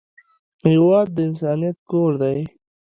هېواد د انسانیت کور دی.